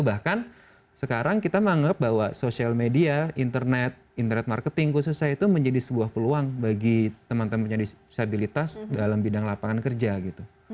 bahkan sekarang kita menganggap bahwa social media internet internet marketing khususnya itu menjadi sebuah peluang bagi teman teman punya disabilitas dalam bidang lapangan kerja gitu